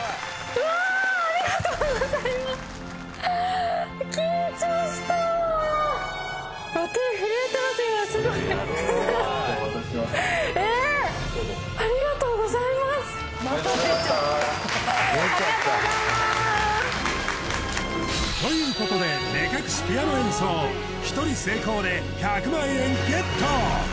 どうぞおめでとうございましたありがとうございますということで目隠しピアノ演奏１人成功で１００万円ゲット！